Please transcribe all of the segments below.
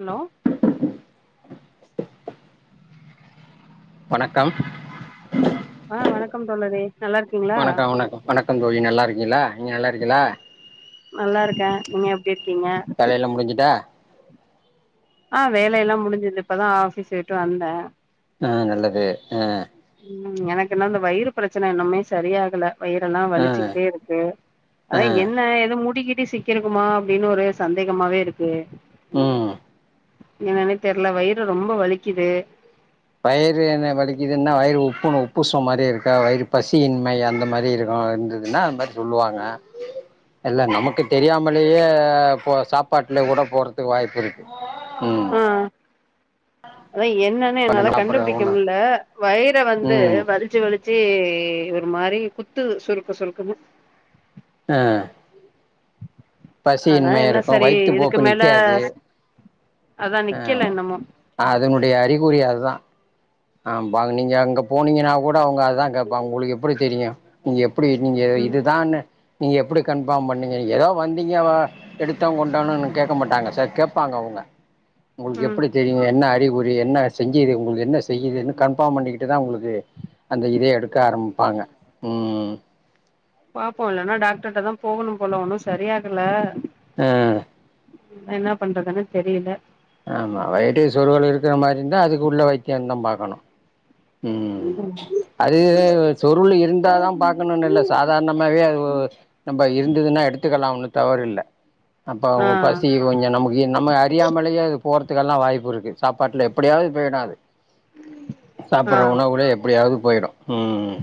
hello வணக்கம் ஆ வணக்கம் தோழரே நல்லாருக் வணக்கம் வணக்கம் வணக்கம் தோழி நல்லா இருக்கீங்ளா நீங்க நல்லா இருக்கீளா நல்லா இருக்கே நீங்க எப்டி இருக்கீங்க வேல முடிஞ்சிட்டா ஆ வேல எல்லா முடிஞ்சிது இப்பதா ஆஃபீஸ் விட்டு வந்தே ஆ நல்லது ஆ ம் எனக்கு இன்னு இந்த வயிறு பிரச்சன இன்னுமே சரியாகல வயிற எல்லா ஆ வலிச்சுக்கிட்டே இருக்கு ஆ அதா என்ன எது முடி கிடி சிக்கிருக்குமா அப்டின்னு ஒரு சந்தேகமாவே இருக்கு ம் என்னனே தெரில வயிறு ரொம்ப வலிக்குது வயிறு என்ன வலிக்குதுன்னா வயிறு உப்பனு உப்புசம் மாரி இருக்கா வயிறு பசியின்மை அந்த மாரி இருக்கு வந்து ன அது மாரி சொல்லுவாங்க இல்ல நமக்கு தெரியாமலேயே போ சாப்பாட்ல கூட போறதுக்கு வாய்ப்பு இருக்கு ம் ஆ அதா என்னன்னே என்னால கொஞ்சம் சாப்பிட்ற கண்டுபுடிக்க ஒன்று முட்ல வயிற வந்து ம் வலி வலிச்சி வலிச்சி ஒரு மாரி குத்து சுருக்கு சுருக்குனு ஆ அதா பசியின்மை என்ன இருக்கும் சரி வயிற்றுப்போக்கு இதுக்கு மேல நிற்காது அதா ஆ நிக்கல இன்னமு அதனுடைய அறிகுறி அது தா ஆ பாங்க நீங்க அங்க போனீங்கன்னா கூட அவுங்க அதா கேட்பாங்க உங்களுக்கு எப்புடி தெரியு நீங்க எப்டி நீங்க ம் இதுதான்னு நீங்க எப்டி கன்ஃபார்ம் பண்ணீங்க நீங்க ஏதோ வந்தீங்க வ எடுத்தோ கொண்டோம்னு கேட்க மாட்டாங்க சார் கேட்பாங்க அவுங்க உங்களுக்கு ம் எப்புடி தெரியு என்ன அறிகுறி என்ன செஞ்சிது உங்களுக்கு என்ன செ இதுன்னு கன்ஃபார்ம் பண்ணிக்கிட்டு தா உங்களுக்கு அந்த இதயே எடுக்க ஆரம்பிப்பாங்க ம் பாப்போ இல்லனா டாக்டர்ட்ட தா போகணு போல ஒன்னு சரியாகல ஆ என்ன பண்றதுன்னு தெரியல ஆமா வயிறு சொருனு இருக்கிற மாதிரி இருந்தா அதுக்குள்ள வைத்தியம்தா பாக்கணு ம் அது சொருள் இருந்தாதா பாக்கணும்னு இல்ல சாதாரணமாவே அது நம்ப இருந்துதுனா எடுத்துக்கலா ஒன்னு தவறில்ல அப்ப ஆ பசி கொஞ்சோ நமக்கு நம்ம அறியாமலே அது போறதுக்கெல்லா வாய்ப்பிருக்கு சாப்பாட்டுல எப்டியாவது போயிடு அது ஆ சாப்பிடுற உணவுலே எப்டியாவது போயிடு ம்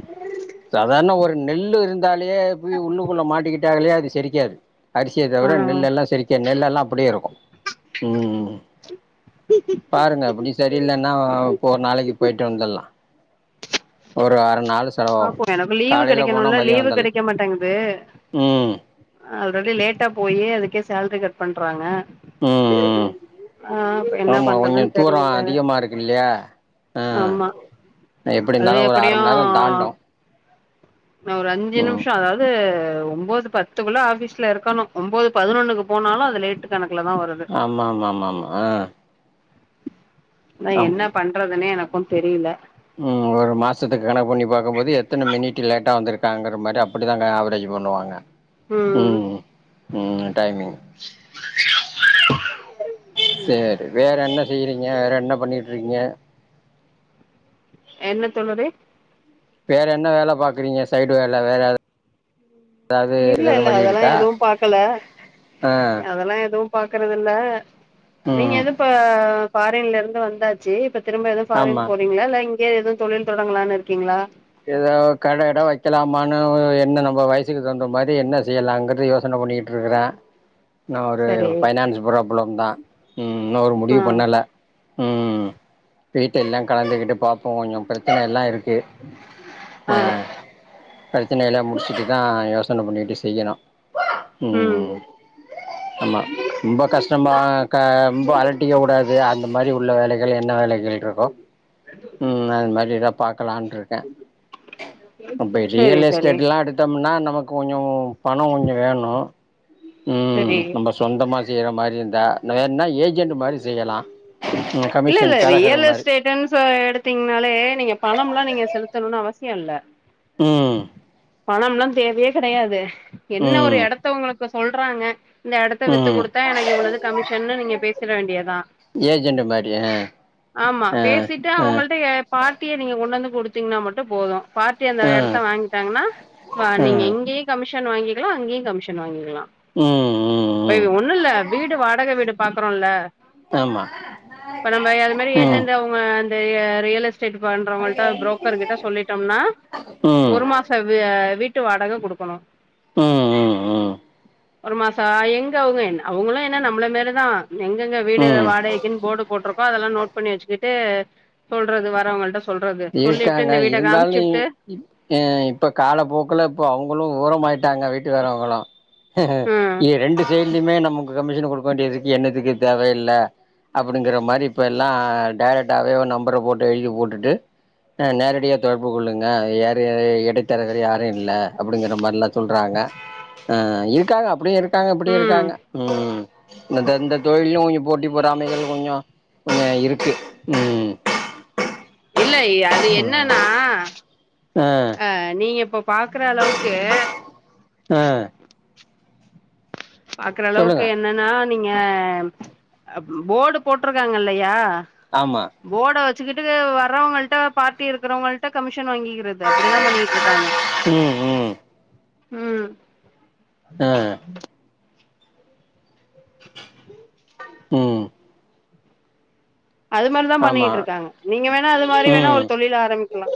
சாதாரண ஒரு நெல்லு இருந்தாலே போய் உள்ளுக்குள்ள மாட்டிக்கிட்டு அது செரிக்காது அரிசிய ஆ தவிர நெல் எல்லா செரிக்காது நெல் எல்லா அப்டியே இருக்கு ம் பாருங்க அப்டி சரியில்லன்னா இப்போ ஒரு நாளைக்கு போய்ட்டு வந்துலா ஒரு அர நாள் செலவாகு பாப்போ எனக்கு லீவு காலையில போனா கிடைக்கணும்ல மதியோ லீவு வந்துடலா கிடைக்க மாட்டேங்குது ம் அல்ரெடி லேட்டா போயே அதுக்கு சேல்ரி கட் பண்றாங்க ம் ம் ஆ இப்ப என்ன ஆமா கொஞ்ச பண்றதுன்னு தூரோ தெரில அதிகமா இருக்குல்லயா ஆ ஆமா எப்டி அது இருந்தாலு ஒரு அர எப்டியு மண் நேரோ தாண்டு நா ஒரு அஞ்சு ம் நிமிஷோ அதாவது ஒன்பது பத் துக்குள்ள ஆபீஸ்ல இருக்கணு ஒன்பது பதினொன்னுக்கு போனாலு அது லேட்டு கணக்குல தா வருது ஆமா ஆம ஆம ஆம ஆ நா ஆம் என்ன பண்றதுன்னே எனக்கு தெரியல ம் ஒரு மாசத்துக்கு கணக்கு பண்ணி பார்க்கும்போது எத்தனை மினிட் லேட்டா வந்திருக்காங்கிற மாதிரி அப்படிதா ஆவரேஜ் பண்ணுவாங்க ம் ம் டைமிங் ம் சரி வேறென்ன செய்யறீங்க வேற என்ன பண்ணிட்டுக்கீங்க என்ன தோழரே வேற என்ன வேலை பா்கக்குறீங்க சைடு வேலை வேறதாவது இல்ல இல்ல அதெல்லா இருக்கா எதுவு பாக்கல ஆ அதெல்லா எதுவு பாக்குறது இல்ல நீங்க ம் எது இ ஃபாரின்ல இருந்து வந்தா இப்ப திரும்ப எதவு ஃபாரின் ஆமா போறீங்களா இல்ல இங்கயே எதவு தொழில் தொடங்கலான்னு இருக்கீங்களா இத கடகிட வைக்கலாம்னு என்ன நம்ம வயசுக்கு தகுந்த மாதிரி என்ன செய்யலாங்கிறது யோசனை பண்ணிட்டு இருக்கரே நா ஒரு சரி ஃபைனான்ஸ் ப்ராப்ளம் தா ம் இன்னு ஒரு ஆ முடிவு பண்ணலை ம் வீட்ட எல்லா கலந்துகிட்டு பார்ப்போ கொஞ்ச பிரச்சனை எல்லா இருக்கு ஆ பிரச்சனைையல்லா முடிச்சுட்டுதா யோசனை பண்ணிட்டு செய்யணு ம் ஆமா ரொம்ப கஷ்டமா ரொம்ப அலட்டிக்க கூடாது அந்த மாதிரி உள்ள வேலைகள் என்ன வேலைகள் இருக்கோ ம் அது மாதிரிதா பார்க்கலான்ருக்கு இப்ப சரி ரியல் சரி எஸ்டேட் லா எடுத்தோம்னா நமக்கு கொஞ்சோ பணோ கொஞ்ச வேணு சரி சொந்தமாக செய்ற மாரி இருந்தா வேன்னா ஏஜெண்ட் மாதிரி செய்யலா இந்த கமிஷன் தெறக்குற மாரி செகண்ட்ஸ்ல எடுத்தீங்னாலே நீங்க பணம்லா நீங்க செலுத்தணுன்னு அவசியோ இல்ல ம் பணம்லா தேவையே கெடையாது என்ன ஒரு ம் எடத்த உங்களுக்கு சொல்றாங்க இந்த எடத்த வித்து ம் குடுத்தா எனக்கு இவ்ளது கமிஷன்னு நீங்க பேசிற வேண்டியதா ஏஜென்ட்டு மாரியா ஆமா பேசிட்டு அவுங்கள்ட்ட ஏ பார்ட்டிய நீங்க கொண்டு வந்து குடுத்தீங்ன்னா மட்டு போது பார்ட்டி அந்த ஆ எடத்த வாங்கிட்டாங்கன்னா ப ஆ நீங்க இங்கயு கமிஷன் வாங்கிக்கலா அங்கேயு கமிஷன் வாங்கிக்கலா ம் ம் இப்ப ம் இது ஒண்ணு இல்ல வீடு வாடக வீடு பாக்குறோல்ல ஆமா இப்ப நம்ம அது மாரி ம் ஏஜென்ட்டு அவுங்க அந்த யா ரியல் எஸ்ட் எஸ்டேட் பண்றவுங்கள்ட புரோக்கர் கிட்ட சொல்லிட்டம்னா ம் ஒரு மாசோ ஹ வியா வீட்டு வாடக குடுக்கணு ம் ம் ம் ஒரு மாசோ எங்க அவுங்க என் அவுங்களு என்ன நம்மள மேரிதா எங்கெங்க வீடு ம் ம் வாடகைக் டு போட்ருக்கோ அதல்லா நோட் பண்ணி வச்சுக்கிட்டு சொல்றது வரவங்கள்ட சொ சொல்றது சொல்லி விட்டு இந்த வீட்ட காம்ச்சு விட்டு எ இப்ப காலப்போக்குல இப்ப அவுங்களு ஓரமாயிட்டாங்க வீட்டு வேறவுங்களு ம் எ ரெண்டு சைட்லயுமே நமக்கு கமிஷன் குடுக்க வேண்டியதுக்கு என்னதுக்கு தேவயில்ல அப்புடிங்கிற மாரி இப்ப எல்லா டேரக்ட்டாவே ஒரு நம்பர போட்டு எழுதி போட்டுட்டு அ நேரடியா தொடர்பு கொள்ளுங்க ஏற ஏற இடைத்தரகர் யாரு இல்ல அப்புடிங்கிற மார்லா சொல்றாங்க அ அ இருக்காங்க அப்புடியு இருக்காங்க இப்புடியு ம் இருக்காங்க ம் இந்தந்த இந்த தொழில்லயு இங்க போட்டி பொறாமைகள் கொஞ்சோ இருக்கு ம் இல்லை அது என்னன்னா ஆ அ நீங்க இப்ப பாக்குற அளவுக்கு அ பாக்குற அளவுக்கு சொல்லுங்க என்னன்னா நீங்க போர்டு போட்ருக்காங்க இல்லையா ஆமா போர்ட வச்சுகிட்டு வர்றவங்கள்ட பார்ட்டி இருக்குறவங்கள்ட கமிஷன் வாங்கிக்கிறது இத அப்டிதா பண்ணிக்கிட்ருக்காங்க ம் ம் ம் அ ம் அது மாறிதா ஆமா பண்ணிகிட்ருக்காங்க நீங்க வேணா அது மாரி வேணா ம் ஒரு தொழில் ஆரம்பி க்லா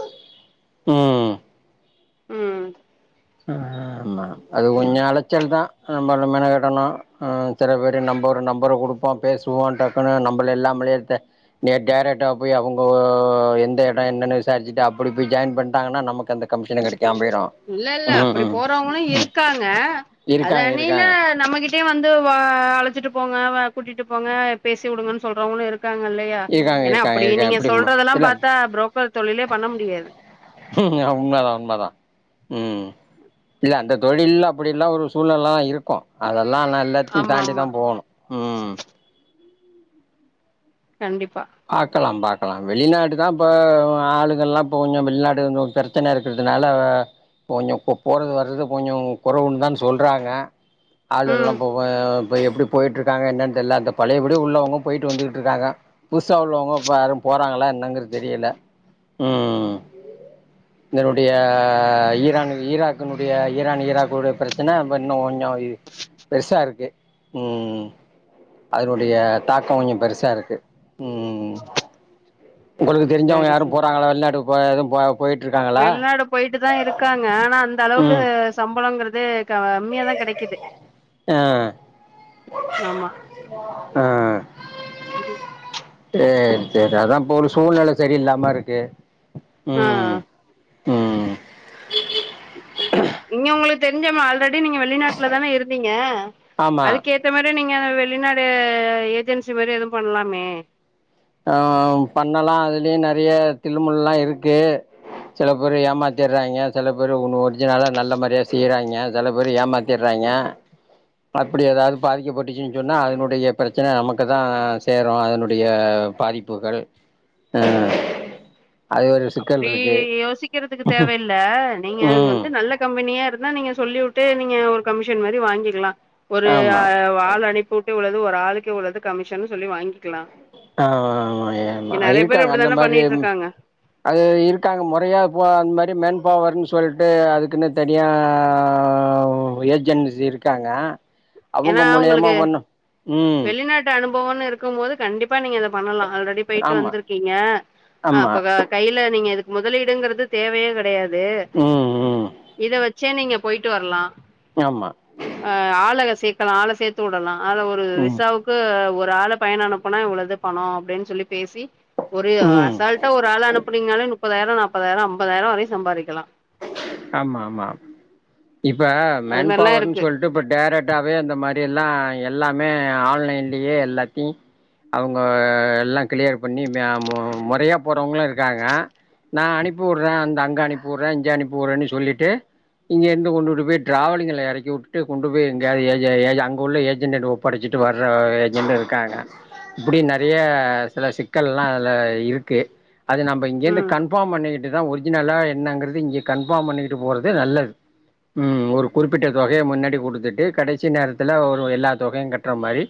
ம் ம் ம் ஹும் மேம் அது கொஞ்சோ அழச்சல் தா நம்பள் மெனக்கிடணு அ சில பேரு நம்பரு நம்பரக் குடுக் இப்பா பேசுவோ டக்குன்னு நம்பள இல்லாமலே வித்த நீ டேரக்டா போயி அவுங்க எந்த எடோ என்னன்னு விசாரிச்சுட்டு அப்புடி போயி ஜாயின் பண்ணிட்டாங்கன்னா நமக்கு அந்த கமிஷ் எனக்கு கெடைக்காம போய்ரு இல்ல இல்ல அப்டி போறவங்களு இருக்காங்க அது இருக்காங்க அணியில இருக்காங்க நம்மகிட் ட்டயு வந்து வ அழச்சுட்டு போங்க வ கூட்டிட்டு போங்க பேசி வுடுங்கன் சொல்றவங்களு இருக் க்காங்க இல்லையா இருக்காங்க ஏன்னா இருக்காங்க அப்டி இருக்காங்க நீங்க இப்படி சொல்றதெல்லா பாத்தா புரோக்கர் தொழிலே பண்ண முடியாது ம் ஹும் யா உண்மதா உண்மதா ம் இல்ல அந்த தொழில்ல அப்டிலா ஒரு சூழ்ழல்லா இருக்கு அதெல்லா நல்ல இது ஆமா தாண்டி ஆமா தா போணு ம் கண்டிப்பா பாக்கலா பாக்கலா வெளிநாடு தா இப்போ ஆளுகல்லா இப்ப கொஞ்ச வெளிநாடு பிர ச்சன இருக்கறதுனால கொஞ்ஜோ போறது வர்றது கொஞ்ஜோ குறைவுன் தா சொல்றாங்க ஆளு எல்லா ம் போவே இப்போ எப்டி போயி்ட்ருக்காங்க என்னன் தெர்ல இந்த பழையபடி உள்ளவங்க போயிட்டு வந்துட்டிருக்காங்க புஸ்சா உள்ளவங்க இப்ப ஆரு போறாங்களா என்னங்கறது தெரியல ம் இதனுடைய ஈரான் ஈராக்குனுடைய ஈரான் ஈராக்குடைய பிரச்சன இன்னு கொஞ்சோ இ பெர்ஸ்சா இருக்கு ம் ம் அதனுடைய தாக்கோ கொஞ்ச பெருசா இருக்கு ம் ம் ம் உங்களுக் தெரிஞ்சவங்க சரி யாரும் போறாங்களா வெளிநாட்டுக்கு போ எதுவு போ போயிட்டுருக்காங்களா வெள்நாடு போயிட்டு தா இருக்காங்க ஆனா அந்த அளவுக்கு ம் சம்பளங்கறதே கம்மியாதா கிடைக்குது ஆ ஆமா ஆ சேரி சேரி அதா இப்போ ஒரு சூழ்நில சரியில்லாம இருக்கு ஆ ம் ம் இங்க உங்களுக் தெரிஞ்சவ ஆல்ரெடி நீங்க வெ வெளிநாட்டுல தான இருந்தீங்க ஆமாம் அதுக்கே இந்த மாறி நீங்க வெளிநாடு ஏஜென்சி மாறி எதுவு பண்லாமே ஆ பண்ணலா அதுலயு நறைய தில்லுமுல்லுலா இருக்கு சில பேரு ஏமாத்திற்றாய்ங்க சில பேரு ஒன்னு ஒரிஜினலா நல்ல மாறியா செய்றாய்ங்க சில பேர் ஏமாத் திர்றாங்க அப்டி எதாவது பாதிக்கப்பட்டுச்சுன் சொன்னா அதனுடைய பிரச்சன நமக்கு தா சேரு அதனுடைய பாதிப்புகள் அது ஒரு சிக்கல் அப்டி இருக்கு யோசிக்கறதுக்கு தேவையில்ல நீங்க ம் வந்து நல்ல கம்பனியா இருந்தா நீங்க சொல்லிவுட்டு நீங்க ஒரு கமிஷன் மாறி வாங்கிர்லா ஒரு ஆ ஆமா ஆளு அனுப்பூட்டு இவ்வளது ஒரு ஆளுக்கு இவ்வளது கமிஷன் சொல்லி வாங்கிக்கலா ஆ நெறைய பேர் இருக்காங்க அந்த அப்டித்தான மாறி பண்ணிட்டு இருக்காங்க அது இருக்காங்க முறையா இப்ப அந் மாறி மென் பவர்ன்னு சொல்ட்டு அதுக்குன்னு தனியா ஓ ஏஜென்சி இருக்காங்க அவங்க ஏன்னா மூலியமா ஒண்ணு ம் த்த அனுபவம்னு இருக்கு போது கண்டிப்பா நீங்க இத பண்ணலா ஆல்ரெடி போயிட்டு ஆமா வந்திருக்கீங்க ஆமா அப்பக கையில நீங்க இதுக் முதலீடுங்றது தேவையே கெடையாது ம் ம் இத வச் சே நீங்க போயிட்டு வர்லா ஆமா ஆ ஆளக சேர்கலா ஆள சேர்த்து உடலா ஆல ஒரு ம் விசாவுக் கு ஒரு ஆள பயனோ அனுப்புனா இவ்ளோது பணோ அப்டின் சொல்லி பேசி ஒரு ம் அசால்டா ஒரு ஆள அனுப்புனீங்கனாலே முப்பதாயிரோ நாப்பதாயிரோ ஐம்பதாயிரோ வரையு சம்பாரிக்கலா ஆமா ஆமா இப்ப அது மென் மாரிலா பவர்ன் இருக்கு சொல் ட்டு இப்ப டைரக்டாவே இந்த மாரி எல்லா எல்லாமே ஆன்லைன்லியே எல்லாத்தி அவுங்க எல்லா கிளியர் பண்ணி மே மு மொறையா போறவங்களு இருக்காங்க நா அனுப்பி உற்றே அந்த அங்க அனுப்பி உற்றே இங்க அனுப்பி உற்றேன் சொல்லிட்டு இங்கே இருந்து கொண்டுட்டு போய் டிராவலிங்கல எறக்கி உட்டுடு கொண்டு போய் எங்கயாது ஏஜெ ஏஜெ அங்க உள்ள ஏஜென்ட் படிச்சிட்டு வர்ற ஏஜென்ட் இருக்காங்க இப்டி நறய சில சிக்கல்லா அதுல இருக்கு அது நம்ப இங்கந்து ம் கன்ஃபார்ம் பண்ணிக்கிட்டு தா ஒரிஜினலா என்னங்கறது இங்க கன்ஃபார்ம் பண்ணிக்கிட்டு போறது நல்லது உம் ஒரு குறிப்பிட்ட தொகைய முன்னாடி குடுத்துட்டு கடைசி நேரத்துல ஒரு எல்லா தொகையு கட்ற மாரி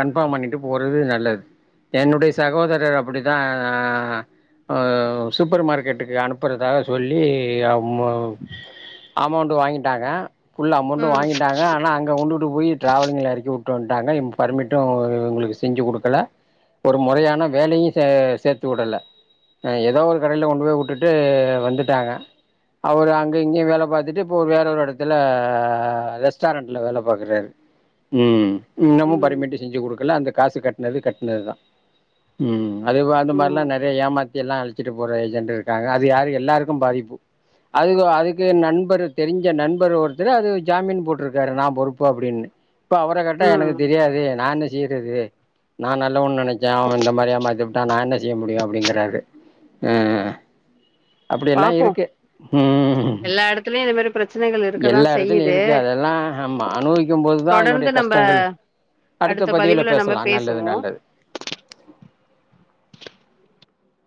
கன்பார்ம் பண்ணிட்டு போறது நல்லது என்னுடைய சகோதரர் அப்டிதா ஆ அ சூப்பர் மார்க்கெட்டுக்கு அனுப்புறதாக சொல்லி எ அமோ அமௌண்ட் வாங்கிடாங்க புல் அமௌண்டு ம் வாங்கிடாங்க ஆனா அங்க கொண்டுட்டு கொண்டு போய் டிராவலிங்ல எறக்கி உட்டு வட்டாங்க ம் பர்மிட்டு உங்களுக்கு செஞ்சு குடுக்கல ஒரு மெறையான வேலயும் சே சேத்து உடல அ ஏதோ ஒரு கடைல கொண்டு போய் உட்டுட்டு வந்துட்டாங்க அவரு அங்க இங்கேயு வேல பாத்துட்டு இப்போ வேற ஒரு எடத்துல ரெஸ்டாரண்டட்ல வேல பாக்குறாரு உம் இன்னமு ம் பரிமிட்டு செஞ்சு குடுக்கல அந்த காசு கட்னது கட்னதுதா ம் அது அந்த மாரிலா நெறய ஏமாத்தி லா அழிச்சிட்டு போற ஏஜெண்டு இருக்காங்க அது யாரு எல்லாருக்கு பாதிப்பு அதுக்கு அதுக்கு நண்பர் தெரிஞ்ச நண்பர் ஒருத்தர் அது ஜாமீன் போட்டிருக்காரு நா பொறுப்பு அப்டின்னு இப்ப அவர கேட்ட எனக்கு ம் தெரியாது நானு செய்றது நா நல்லவன்னு நனச்சே அவன் இந்த மாரி ஏமாத்திப்புட்டா நா என்ன செய்ய முடியு அப்டிங்றாரு அ அப்டியல்லா பாப்போ இருக்கு ம் ம் எல்லா எடத்துலயு இது மாரி பிரச்சனைகள் இருக்கதா எல்லா எடத்துலையு செய்யுது இருக்கு அதல்லா ஆமா நானு என்பது தா அதனுடைய தொடர்ந்து நம்ம கஷ்டங்கள் அடுத்த பதிவுல பேசலா நல்லது நல்லது